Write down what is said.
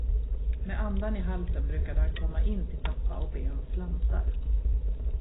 Med andan i halsen brukade han komma in till pappa och be om slantar.